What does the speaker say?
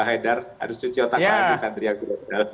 pak haidar harus cuci otak lagi santri santri aku